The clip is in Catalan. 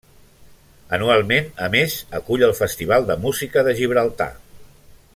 Anualment, a més, acull el Festival de Música de Gibraltar.